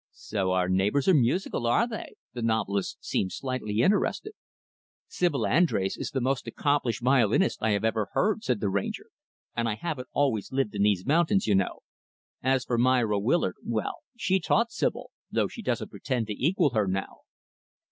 "So our neighbors are musical, are they?" The novelist seemed slightly interested. "Sibyl Andrés is the most accomplished violinist I have ever heard," said the Ranger. "And I haven't always lived in these mountains, you know. As for Myra Willard well she taught Sibyl though she doesn't pretend to equal her now."